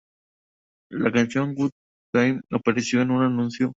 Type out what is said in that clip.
La canción "Good Time" apareció en un anuncio de Amstel Light.